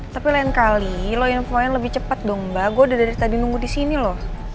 tapi lain kali lo infoin lebih cepet dong mba gue udah dari tadi nunggu disini loh